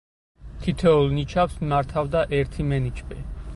თითოეულ ნიჩაბს მართავდა ერთი მენიჩბე.